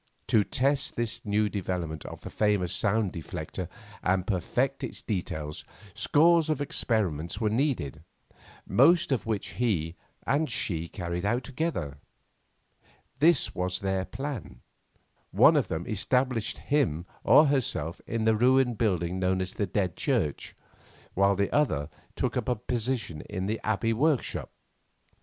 To test this new development of the famous sound deflector and perfect its details, scores of experiments were needed, most of which he and she carried out together. This was their plan. One of them established him or herself in the ruined building known as the Dead Church, while the other took up a position in the Abbey workshop.